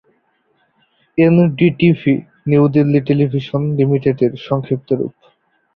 NDTV, New Delhi television লিমিটেডের সংক্ষিপ্ত রূপ।